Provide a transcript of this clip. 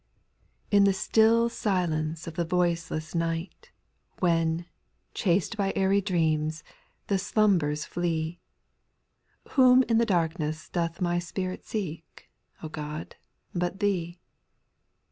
TN the still silence of the voiceless night, JL When, chased by airy dreams, the slum* bers flee. Whom in the darkness doth my spirit seek, O God, but Thee